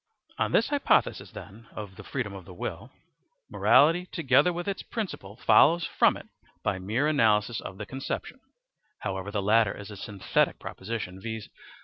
On the hypothesis, then, of freedom of the will, morality together with its principle follows from it by mere analysis of the conception. However, the latter is a synthetic proposition; viz.